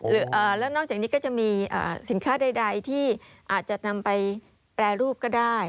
แล้วนอกจากนี้ก็จะมีสินค้าใดที่อาจจะนำไปแปรรูปก็ได้